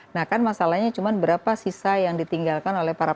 nah kan masalahnya cuma berapa sisa yang ditinggalkan oleh para